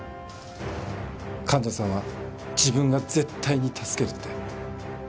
患者さんは自分が絶対に助けるって。